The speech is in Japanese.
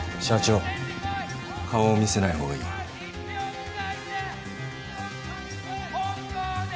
社長顔を見せないほうがいい。